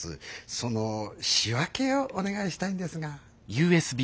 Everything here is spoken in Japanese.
その仕分けをお願いしたいんですが。